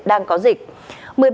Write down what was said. đang có dịch